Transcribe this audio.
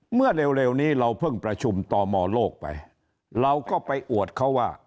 เมื่อเร็วนี้เราเพิ่งประชุมตมโลกไปเราก็ไปอวดเขาว่า